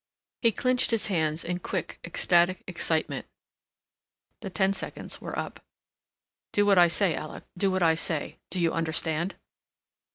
He clinched his hands in quick ecstatic excitement... the ten seconds were up.... "Do what I say, Alec—do what I say. Do you understand?"